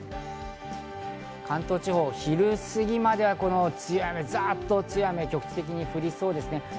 関東地方、昼過ぎまでは強い雨、ざっと強い雨が局地的に降りそうです。